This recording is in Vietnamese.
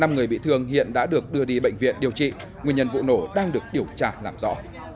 năm người bị thương hiện đã được đưa đi bệnh viện điều trị nguyên nhân vụ nổ đang được điều tra làm rõ